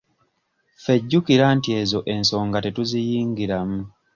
Ffe jjukira nti ezo ensoga tetuziyingiramu.